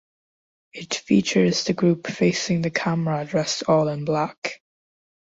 It features the group facing the camera dressed all in black.